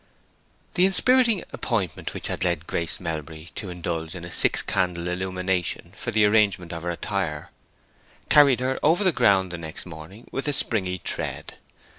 The inspiriting appointment which had led Grace Melbury to indulge in a six candle illumination for the arrangement of her attire, carried her over the ground the next morning with a springy tread.